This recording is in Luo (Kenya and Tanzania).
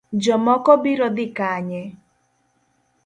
Jomoko biro dhi kanye?